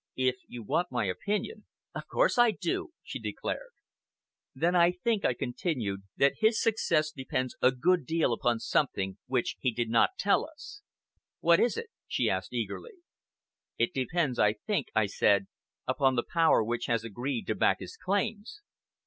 If you want my opinion " "Of course I do," she declared. "Then I think," I continued, "that his success depends a good deal upon something which he did not tell us." "What is it?" she asked, eagerly. "It depends, I think," I said, "upon the Power which has agreed to back his claims.